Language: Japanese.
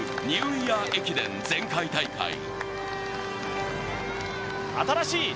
ニューイヤー駅伝前回大会。